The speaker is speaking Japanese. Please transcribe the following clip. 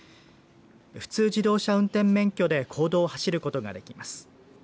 普通自動車運転免許で公道を走ることができます。